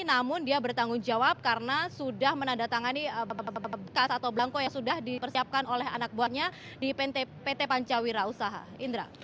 namun dia bertanggung jawab karena sudah menandatangani bekas atau belangko yang sudah dipersiapkan oleh anak buahnya di pt pancawira usaha